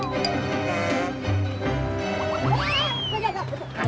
kita harus lapar kembang surya